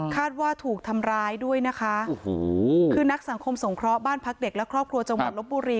ว่าถูกทำร้ายด้วยนะคะโอ้โหคือนักสังคมสงเคราะห์บ้านพักเด็กและครอบครัวจังหวัดลบบุรี